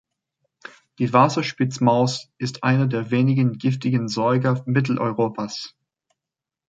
Die Wasserspitzmaus ist einer der wenigen giftigen Säuger Mitteleuropas.